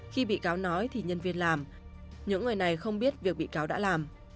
khi bị cáo nói thì nhân viên làm những người này không biết việc bị cáo đã làm